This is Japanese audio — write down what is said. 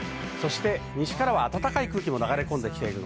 西からは暖かい空気も流れ込んでいます。